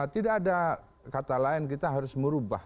tidak ada kata lain kita harus merubah